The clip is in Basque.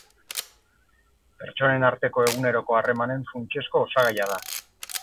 Pertsonen arteko eguneroko harremanen funtsezko osagaia da.